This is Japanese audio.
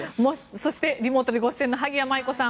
そしてリモートでご出演の萩谷麻衣子さん